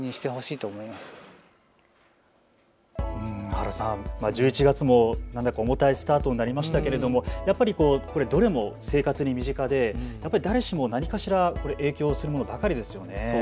原さん、１１月も重たいスタートになりましたけれどもどれも生活に身近で誰しも何かしら影響するものばかりですね。